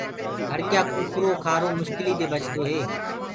هڙڪيآ ڪوُڪرو کآرو مشڪليٚ دي بچدوئي